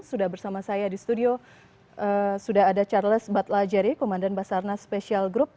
sudah bersama saya di studio sudah ada charles batlajari komandan basarnas special group